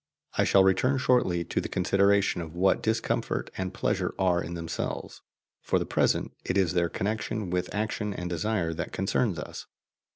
I shall return shortly to the consideration of what discomfort and pleasure are in themselves; for the present, it is their connection with action and desire that concerns us.